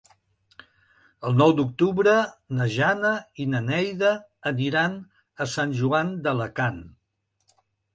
El nou d'octubre na Jana i na Neida aniran a Sant Joan d'Alacant.